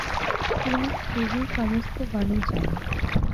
তিনি শ্রীজীর সমস্ত বাণী চান।